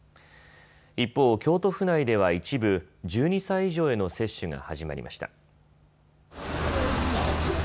一方、京都府内では一部、１２歳以上への接種が始まりました。